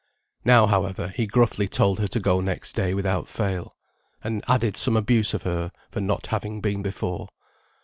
Now, however, he gruffly told her to go next day without fail, and added some abuse of her for not having been before.